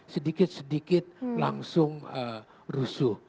sedikit sedikit langsung rusuh